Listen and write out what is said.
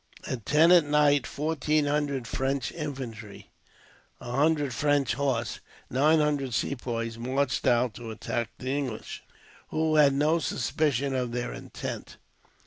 At ten at night fourteen hundred French infantry, a hundred French horse, and nine hundred Sepoys marched out to attack the English, who had no suspicion of their intent.